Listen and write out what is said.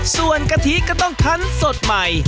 ส่วนกะทิก็ต้องคันสดใหม่